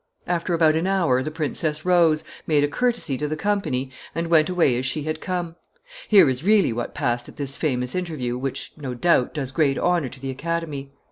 . After about an hour, the princess rose, made a courtesy to the company, and went away as she had come. Here is really what passed at this famous interview, which, no doubt, does great honor to the Academy.